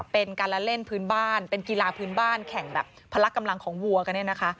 เป็นการละเล่นพื้นบ้านเป็นกีฬาพื้นบ้านแข่งแบบพละกำลังของวัวกันเนี่ยนะคะ